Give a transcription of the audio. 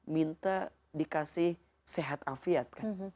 minta dikasih sehat afiat